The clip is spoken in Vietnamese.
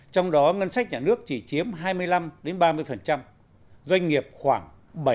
trong đó ngân sách nhà nước chỉ chiếm hai mươi năm ba mươi doanh nghiệp khoảng bảy mươi